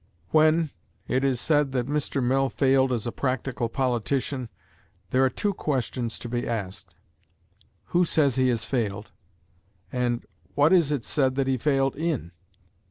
When, it is said that Mr. Mill failed as a practical politician, there are two questions to be asked: "Who says he has failed?" And "What is it said that he failed in?"